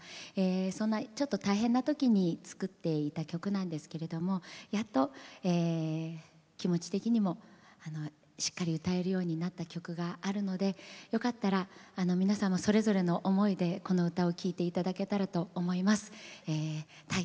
そんな、ちょっと大変なときに作っていた曲なんですけどもやっと気持ち的にもしっかり歌えるようになった曲があるのでよかったら皆さんそれぞれの思いでこの歌を聴いていただけたらと思います。